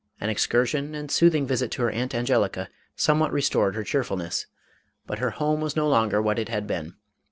An excursion and soothing visit with her aunt Angelica somewhat restored her cheerfulness, but her home was no longer what it had been.